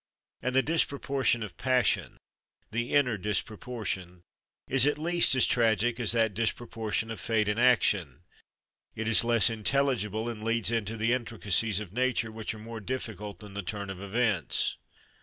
And the disproportion of passion the inner disproportion is at least as tragic as that disproportion of fate and action; it is less intelligible, and leads into the intricacies of nature which are more difficult than the turn of events.